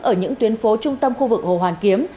ở những tuyến phố trung tâm khu vực hồ hoàn kiếm